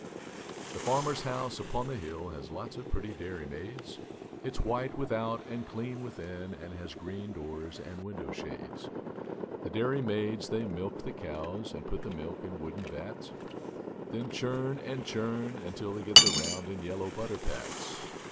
C he farmer's house upon the hill Has lots of pretty dairy maids; It's white without and clean within And has green doors and window shades. The dairy maids they milk the cows And put the milk in wooden vats; Then churn and churn until they get The round and yellow butter pats.